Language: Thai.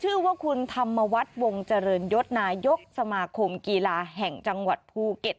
ชื่อว่าคุณธรรมวัฒน์วงเจริญยศนายกสมาคมกีฬาแห่งจังหวัดภูเก็ต